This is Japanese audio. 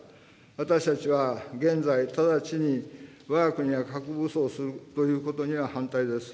私たちは、現在、直ちにわが国が核武装するということには反対です。